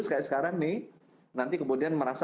kayak sekarang nih nanti kemudian merasa